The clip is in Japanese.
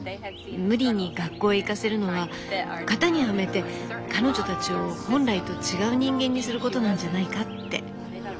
「無理に学校へ行かせるのは型にはめて彼女たちを本来と違う人間にすることなんじゃないか」って。